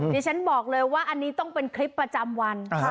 ดิฉันบอกเลยว่าอันนี้ต้องเป็นคลิปประจำวัน